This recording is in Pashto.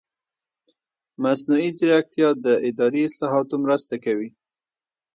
مصنوعي ځیرکتیا د اداري اصلاحاتو مرسته کوي.